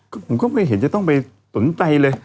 ผมก็ไม่เห็นจะต้องไปสนใจเลย